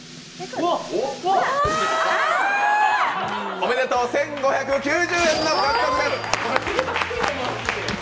おめでとう１５９０円獲得です。